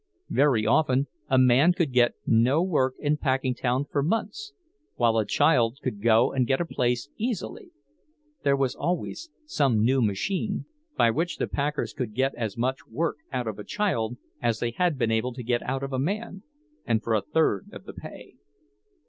Very often a man could get no work in Packingtown for months, while a child could go and get a place easily; there was always some new machine, by which the packers could get as much work out of a child as they had been able to get out of a man, and for a third of the pay.